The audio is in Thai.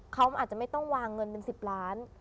เขาอาจจะไม่ต้องวางเงินเป็น๑๐ล้าน